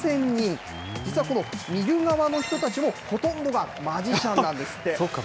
実はこの見る側の人たちも、ほとんどがマジシャンなんですって。